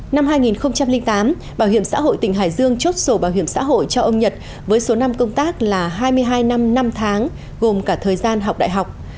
năm hai nghìn tám bảo hiểm xã hội tỉnh hải dương chốt sổ bảo hiểm xã hội cho ông nhật với số năm công tác là hai mươi hai năm năm tháng gồm cả thời gian học đại học